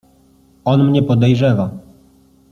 "On mnie podejrzewa."